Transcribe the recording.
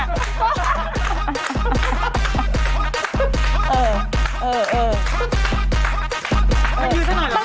ต้องยืนสิหน่อย